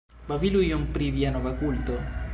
Babilu iom pri via nova kulto.